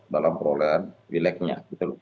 dalam perolehan vilainya